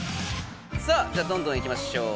さあじゃあどんどんいきましょう